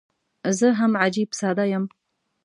زه هم عجيب ساده یم.